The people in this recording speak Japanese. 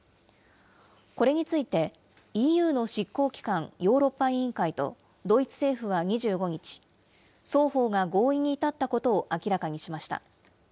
これについて、ＥＵの執行機関、ヨーロッパ委員会とドイツ政府は２５日、双方が合意に至ったことを明らかにしました。